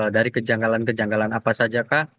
dari kejanggalan kejanggalan apa saja kah